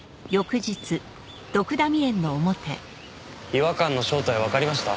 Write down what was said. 違和感の正体わかりました？